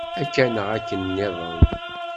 Akka neɣ akken-nniḍen.